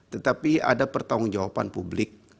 tetapi ada pertanggung jawaban publik